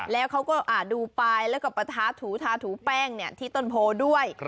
แล้วเขาก็ดูปลายแล้วก็ปะท้าถูทาถูแป้งที่ต้นโพด้วย